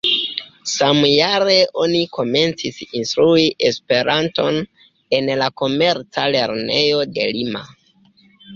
Samjare oni komencis instrui E-on en la Komerca lernejo de Lima.